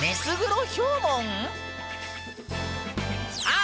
あ！